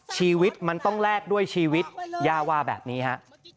ชีวิตมันต้องแลกด้วยชีวิตย่าว่าแบบนี้ฮะ